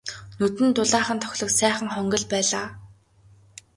Нүдэнд дулаахан тохилог сайхан хонгил байлаа.